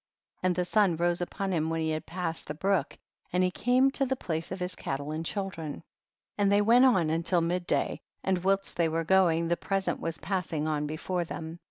50. And the svm rose upon him when he had passed the brook, and he came up to the place of his cattle and children. 51. And they went on till midday, and whilst they were going the pre sent was passing on before them.